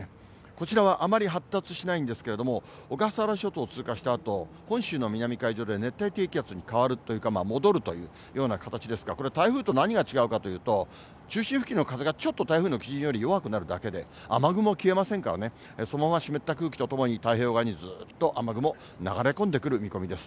こちらはあまり発達しないんですけれども、小笠原諸島を通過したあと、本州の南海上で熱帯低気圧に変わるというか、戻るというような形ですが、これ、台風と何が違うかというと、中心付近の風がちょっと台風の基準より弱くなるだけで、雨雲消えませんからね、そのまま湿った空気とともに、太平洋側にずっと雨雲流れ込んでくる見込みです。